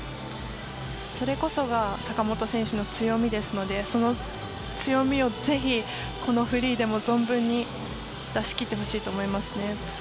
それこそが坂本選手の強みですのでその強みをぜひこのフリーでも存分に出しきってほしいと思います。